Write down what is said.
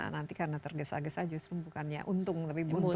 nanti karena tergesa gesa justru bukan ya untung tapi buntung ya